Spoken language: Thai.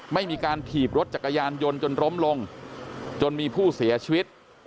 ไม่มีการถีบรถจักรยานยนต์จนล้มลงจนมีผู้เสียชีวิต